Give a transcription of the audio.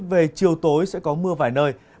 về chiều tối sẽ có mưa vài nơi